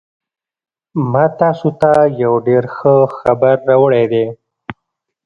ما تاسو ته یو ډېر ښه خبر راوړی دی